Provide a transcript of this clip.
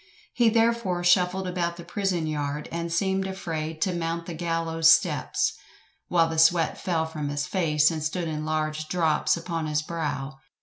He therefore shuffled about the prison yard, and seemed afraid to mount the gallows steps, while the sweat fell from his face, and stood in large drops upon his brow.